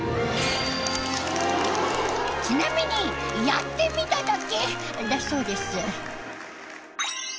ちなみに「やってみただけ」だそうです。